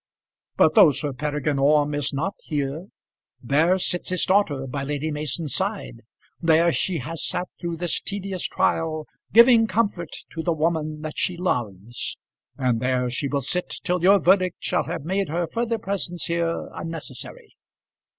But though Sir Peregrine Orme is not here, there sits his daughter by Lady Mason's side, there she has sat through this tedious trial, giving comfort to the woman that she loves, and there she will sit till your verdict shall have made her further presence here unnecessary.